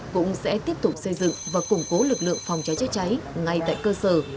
cũng sẽ tiếp tục xây dựng và củng cố lực lượng phòng cháy chữa cháy ngay tại cơ sở